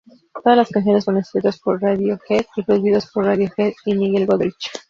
Todas las canciones fueron escritas por Radiohead y producidas por Radiohead y Nigel Godrich.